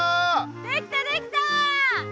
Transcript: できたできた！